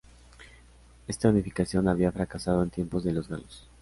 Esta unificación había fracasado en tiempos de los galos.